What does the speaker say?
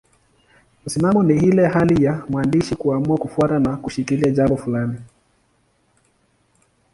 Msimamo ni ile hali ya mwandishi kuamua kufuata na kushikilia jambo fulani.